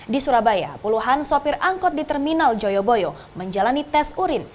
di surabaya puluhan sopir angkot di terminal joyoboyo menjalani tes urin